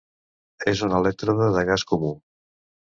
És un elèctrode de gas comú.